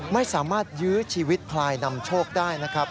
ไม่สามารถยื้อชีวิตพลายนำโชคได้นะครับ